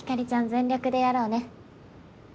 全力でやろうね。